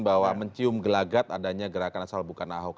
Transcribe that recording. bahwa mencium gelagat adanya gerakan asal bukan ahok